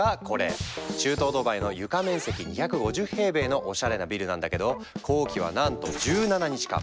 中東ドバイの床面積２５０平米のおしゃれなビルなんだけど工期はなんと１７日間！